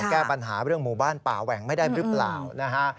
แก้ปัญหาเรื่องหมู่บ้านป่าแหว่งไม่ได้หรือเปล่านะฮะ